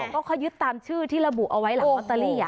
ก็เขายึดตามชื่อที่ระบุเอาไว้หลังลอตเตอรี่